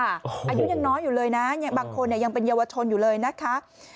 อายุยังน้อยอยู่เลยนะบางคนยังเป็นเยาวชนอยู่เลยนะคะ